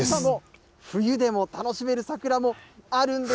冬でも楽しめる桜もあるんです。